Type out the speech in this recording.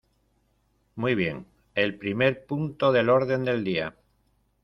Muy bien, el primer punto del orden del día.